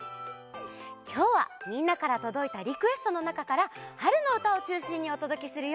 きょうはみんなからとどいたリクエストのなかから春のうたをちゅうしんにおとどけするよ。